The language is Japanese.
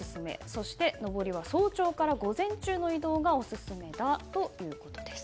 そして上りは早朝から午前中の移動がオススメだということです。